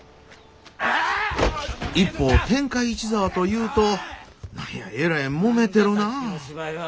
一方天海一座はというと何やえらいもめてるなあ。